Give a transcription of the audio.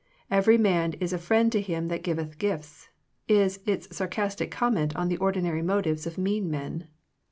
'* Every man is a friend to him that giveth gifts," is its sarcastic comment on the ordinary motives of mean men.